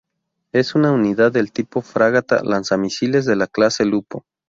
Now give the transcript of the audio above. Es una unidad del tipo Fragata Lanzamisiles de la clase Lupo.